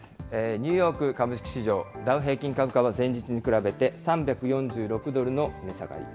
ニューヨーク株式市場、ダウ平均株価は前日に比べて３４６ドルの値下がり。